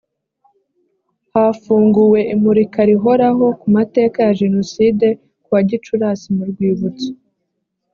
hafunguwe imurika rihoraho ku mateka ya jenoside kuwa gicurasi mu rwibutso